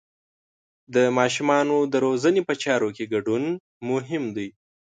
د ماشومانو د روزنې په چارو کې ګډون مهم دی.